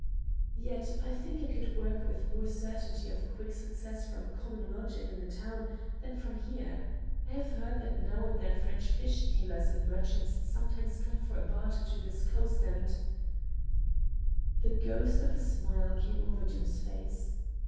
"Yet I think I could work with more certainty of a quick success from a common lodging in the town than from here. I have heard that now and then French fish dealers and merchants sometimes come for barter to this coast and " The ghost of a smile came over Doom's face.